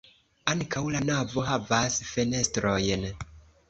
Ankaŭ la navo havas fenestrojn.